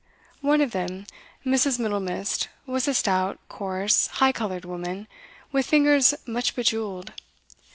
One of them, Mrs. Middlemist, was a stout, coarse, high coloured woman, with fingers much bejewelled.